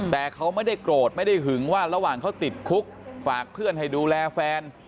แต่เขาไม่ได้โกรธไม่ได้หึงว่าระหว่างเขาติดคุกฝากเพื่อนให้ดูแลแฟน